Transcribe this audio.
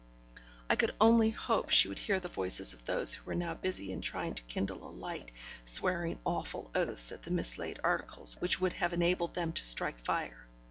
I could only hope she would hear the voices of those who were now busy in trying to kindle a light, swearing awful oaths at the mislaid articles which would have enabled them to strike fire.